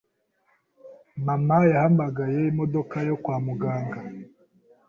Mama yahamagaye imodoka yo kwa muganga,